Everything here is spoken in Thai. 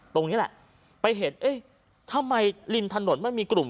ตรงนี้แหละไปเห็นเอ๊ะทำไมริมถนนมันมีกลุ่ม